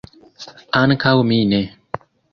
Ankaŭ mi ne.